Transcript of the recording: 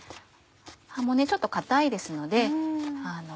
葉もちょっと硬いですので。